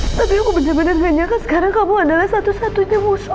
tapi aku bener bener gak nyangka sekarang kamu adalah satu satunya musuh aku